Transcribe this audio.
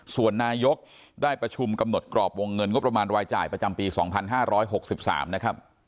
ส่วนนายกได้ประชุมกำหนดกรอบวงเงินงบประมาณรายจ่ายประจำปีสองพันห้าร้อยหกสิบสามนะครับ